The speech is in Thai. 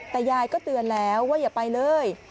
แต่ยายก็เตือนแล้วว่าอย่าไปเลย